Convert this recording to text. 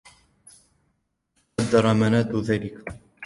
قدّر منّاد ذلك.